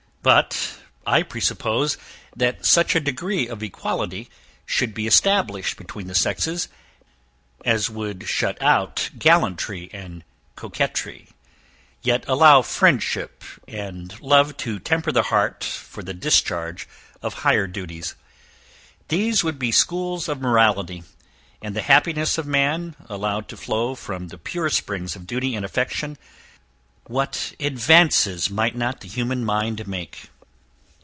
But, I presuppose, that such a degree of equality should be established between the sexes as would shut out gallantry and coquetry, yet allow friendship and love to temper the heart for the discharge of higher duties. These would be schools of morality and the happiness of man, allowed to flow from the pure springs of duty and affection, what advances might not the human mind make?